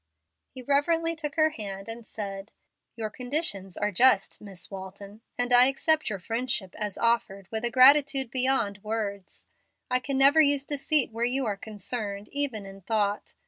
He reverently took her hand and said, "Your conditions are just, Miss Walton, and I accept your friendship as offered with a gratitude beyond words. I can never use deceit where you are concerned, even in thought.